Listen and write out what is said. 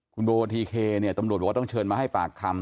คุณโบทีเคเนี่ยตำรวจบอกว่าต้องเชิญมาให้ปากคำ